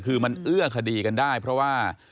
คือมันเอื้อคดีกันได้เพราะว่า